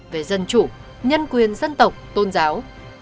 về dân chủ nhân quyền dân tộc tôn giáo